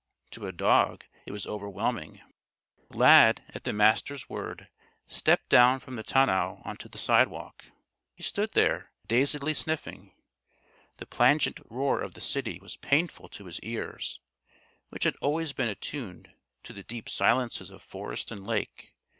To a dog it was overwhelming. Lad, at the Master's word, stepped down from the tonneau onto the sidewalk. He stood there, dazedly sniffing. The plangent roar of the city was painful to his ears, which had always been attuned to the deep silences of forest and lake.